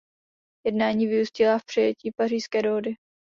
Jednání vyústila v přijetí Pařížské dohody.